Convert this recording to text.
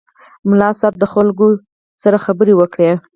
ملا صیب د خلکو سره خبرې وکړې.